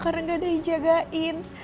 karena gak ada yang jagain